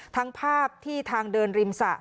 ทั้งภาพที่ทางเดินริมสระ